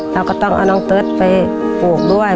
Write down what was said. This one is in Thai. เราก็ต้องเอาน้องเติร์ทไปปลูกด้วย